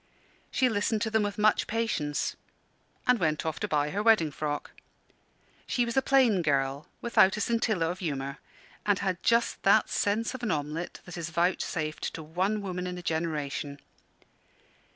She listened to them with much patience, and went off to buy her wedding frock. She was a plain girl, without a scintilla of humour; and had just that sense of an omelet that is vouchsafed to one woman in a generation.